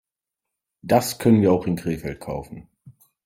Das können wir auch in Krefeld kaufen